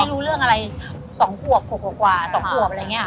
ไม่รู้เรื่องอะไร๒ขวบ๖ขวบกว่า๒ขวบอะไรเนี่ย